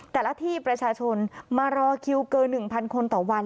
แต่ละที่ประชาชนมารอคิวเกิน๑๐๐คนต่อวัน